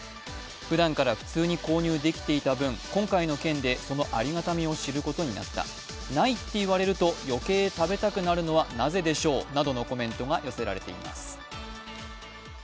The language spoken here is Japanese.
ふだんから普通に購入できていた分、今回の件でそのありがたみを知ることになった、ないって言われると余計食べたくなるのはなぜでしょうなどのコメントが寄せられています。